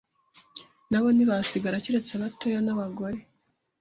nabo ntibasigara keretse abatoya n’abagore,